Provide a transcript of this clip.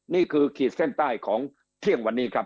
ขีดเส้นใต้ของเที่ยงวันนี้ครับ